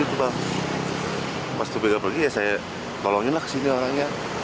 ketika bergele saya tolongkan orangnya